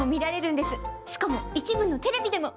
しかも一部のテレビでも。